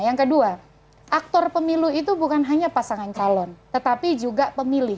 yang kedua aktor pemilu itu bukan hanya pasangan calon tetapi juga pemilih